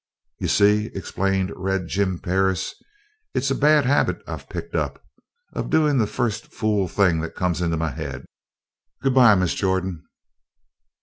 "'You see," explained Red Jim Perris, "it's a bad habit I've picked up of doing the first fool thing that comes into my head. Good bye, Miss Jordan."